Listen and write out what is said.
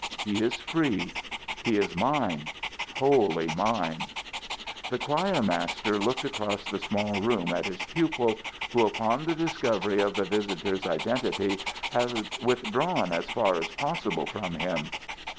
He is free. He is mine wholly mine." The choir master looked across the small room at his pupil, who, upon the discovery of the visitor's identity, had withdrawn as far as possible from him.